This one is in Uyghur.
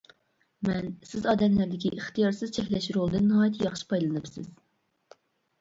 مەن:سىز ئادەملەردىكى ئىختىيارسىز چەكلەش رولىدىن ناھايىتى ياخشى پايدىلىنىپسىز.